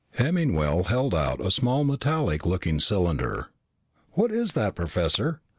Hemmingwell held out a small metallic looking cylinder. "What is that, Professor?"